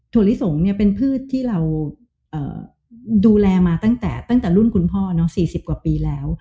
ลิสงเป็นพืชที่เราดูแลมาตั้งแต่รุ่นคุณพ่อ๔๐กว่าปีแล้ว